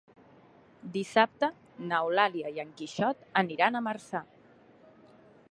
Dissabte n'Eulàlia i en Quixot aniran a Marçà.